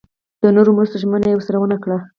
د نورو مرستو ژمنه یې ورسره ونه کړه.